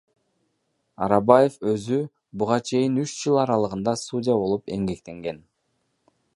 Арабаев өзү буга чейин үч жыл аралыгында судья болуп эмгектенген.